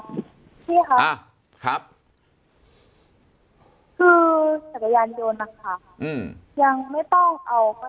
สักยานโยนนะคะอืมยังไม่ต้องเอาทุกวันค่ะ